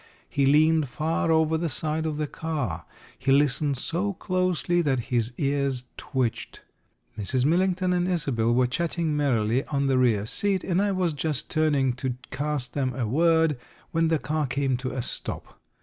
He leaned far over the side of the car. He listened so closely that his ears twitched. Mrs. Millington and Isobel were chatting merrily on the rear seat, and I was just turning to cast them a word, when the car came to a stop.